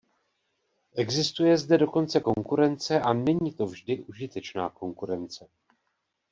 Existuje zde dokonce konkurence, a není to vždy užitečná konkurence.